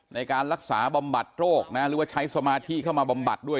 ในการรักษาบำบัดโรคนะหรือว่าใช้สมาธิเข้ามาบำบัดด้วย